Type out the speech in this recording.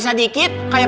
yuk yuk yuk yuk